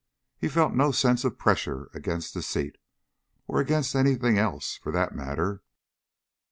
He felt no sense of pressure against the seat, or against anything else, for that matter.